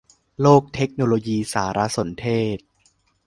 โลกเทคโนโลยีสารสนเทศ